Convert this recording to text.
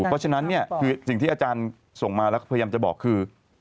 เพราะฉะนั้นเนี่ยคือสิ่งที่อาจารย์ส่งมาแล้วก็พยายามจะบอกคือ